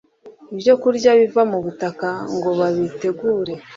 ibyokurya biva mu butaka ngo babitegure